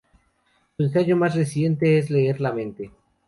Su ensayo más reciente es "Leer la mente.